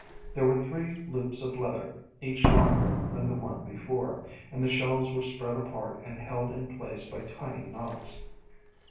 There were three loops of leather, each longer than the one before, and the shells were spread apart and held in place by tiny knots.